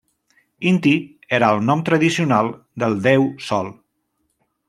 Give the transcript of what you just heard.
Inti era el nom tradicional del déu sol.